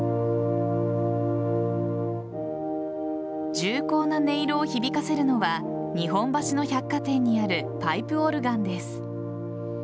重厚な音色を響かせるのは日本橋の百貨店にあるパイプオルガンです。